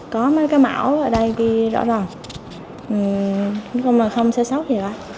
có mấy cái mẫu ở đây ghi rõ ràng không sơ sốc gì cả